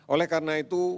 oleh karena itu